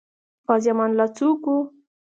غازي امان الله څوک وو؟